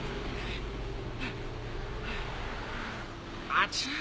あちゃ